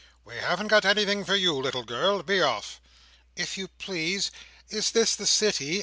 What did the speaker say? "We haven't got anything for you, little girl. Be off!" "If you please, is this the City?"